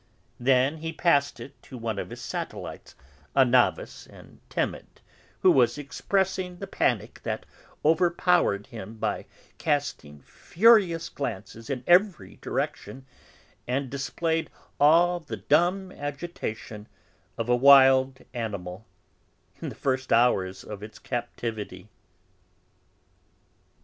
Then he passed it to one of his satellites, a novice and timid, who was expressing the panic that overpowered him by casting furious glances in every direction, and displayed all the dumb agitation of a wild animal in the first hours of its captivity.